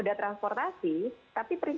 dan yang kemudian